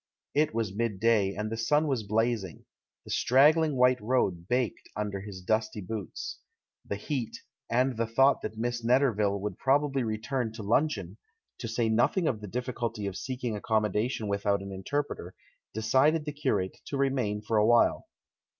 It was midday, and the sun was blazing; the straggling white road baked under his dusty 160 THE CHILD IN THE GARDEN 161 boots. The heat, and the thought that Miss Net terville would probably return to luncheon — to say nothing of the difficulty of seeking accommo dation without an interpreter — decided the curate to remain for awhile.